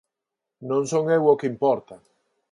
Non son eu o que importa.